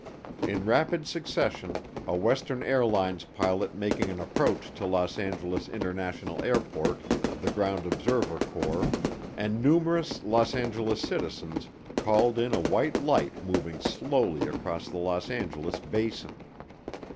In rapid succession, a Western Airlines pilot making an approach to Los Angeles International Airport, the Ground Observer Corps, and numerous Los Angeles citizens called in a white light moving slowly across the Los Angeles basin.